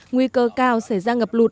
nguy cơ cao sẽ ra ngập lụt